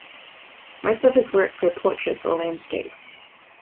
Most of his works were portraits or landscapes.